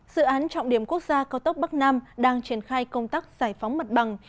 dự án trọng điểm quốc gia cao tốc bắc nam đang triển khai công tác giải phóng mặt bằng